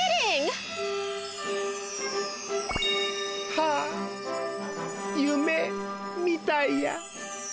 はあゆめみたいや。